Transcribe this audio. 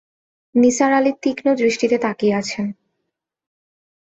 নিসার আলি তীক্ষ্ণদৃষ্টিতে তাকিয়ে আছেন।